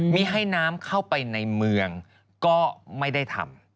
ไม่ให้น้ำเข้าไปในเมืองก็ไม่ได้ทำ